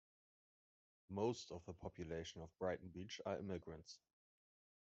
Most of the population of Brighton Beach are immigrants.